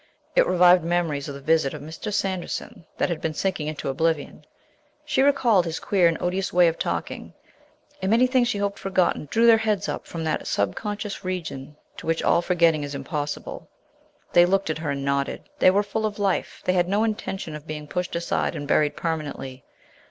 It revived memories of the visit of Mr. Sanderson that had been sinking into oblivion; she recalled his queer and odious way of talking, and many things she hoped forgotten drew their heads up from that subconscious region to which all forgetting is impossible. They looked at her and nodded. They were full of life; they had no intention of being pushed aside and buried permanently.